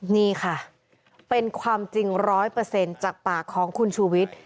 นี่ค่ะเป็นความจริง๑๐๐จากปากของคุณชูวิทย์